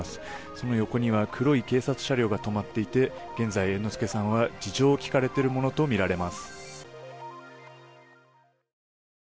その横には黒い警察車両が止まっていて現在、猿之助さんは事情を聴かれているものとみられます。